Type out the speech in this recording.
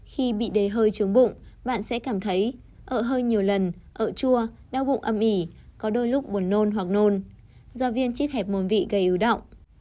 khi bị đầy hơi trướng bụng bạn sẽ cảm thấy ợ hơi nhiều lần ợ chua đau bụng âm ỉ có đôi lúc buồn nôn hoặc nôn do viên chích hẹp mồm vị gây ưu động